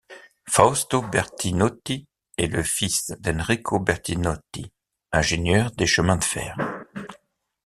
Fausto Bertinotti est le fils d'Enrico Bertinotti, ingénieur des chemins de fer.